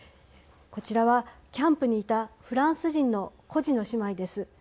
こちらは、キャンプにいたフランス人の孤児の姉妹です。